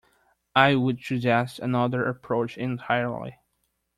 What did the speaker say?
I would suggest another approach entirely.